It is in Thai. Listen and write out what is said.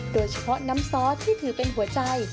โดยเฉพาะน้ำซอสที่ถือเป็นหัวใจ